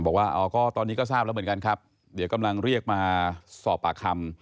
บอกว่าตอนนี้ก็ทราบแล้วเหมือนกันครับเดี๋ยวกำลังเรียกมาสอบปากคำ